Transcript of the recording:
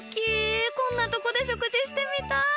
こんなところで食事してみたい！